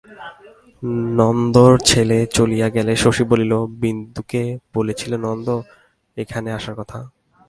নন্দর ছেলে চলিয়া গেলে শশী বলিল, বিন্দুকে বলেছিলে নন্দ, এখানে আসার কথা?